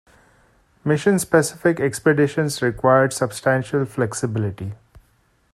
Mission-specific expeditions required substantial flexibility.